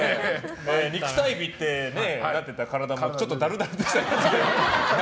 肉体美ってなっていた体もちょっとダルダルでしたけども。